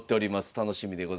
楽しみでございます。